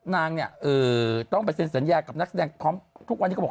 นางเนี่ยเออต้องไปเซ็นสัญญากับนักแสดงท้อมทุกวันที่ก็